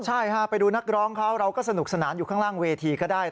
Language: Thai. ใช่ฮะไปดูนักร้องเขาเราก็สนุกสนานอยู่ข้างล่างเวทีก็ได้